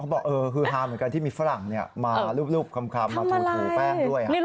เขาบอกฮือฮาเหมือนกันที่มีฝรั่งเนี่ยมาลูกคำมาถูแป้งด้วยค่ะ